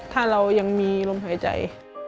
ถ้าเรายังมีลมหายใจ